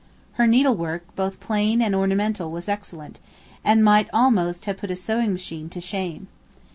Her needlework both plain and ornamental was excellent, and might almost have put a sewing machine to shame.